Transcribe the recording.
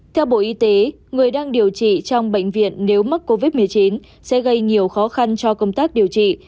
theo bộ y tế người đang điều trị trong bệnh viện nếu mắc covid một mươi chín sẽ gây nhiều khó khăn cho công tác điều trị